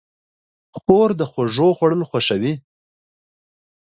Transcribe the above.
خور د خوږو خوړل خوښوي.